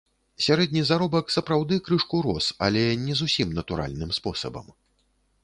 Сярэдні заробак сапраўды крышку рос, але не зусім натуральным спосабам.